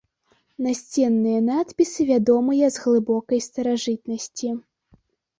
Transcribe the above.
Насценныя надпісы вядомыя з глыбокай старажытнасці.